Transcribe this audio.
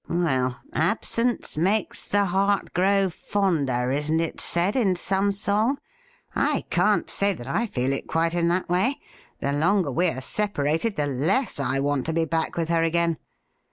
Well, absence makes the heart grow fonder, isn't it said in some song ? I can't say that I feel it quite in that way. The longer we are separated, the less I want to be back with her again.